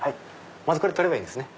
まずこれ取ればいいんですね。